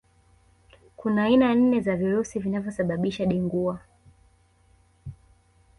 Kuna aina nne za virusi vinavyosababisha Dengua